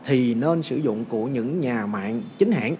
thì nên sử dụng của những nhà mạng chính hãng